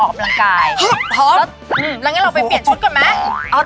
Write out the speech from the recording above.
ไม่เอาที่ชุฯก็แพง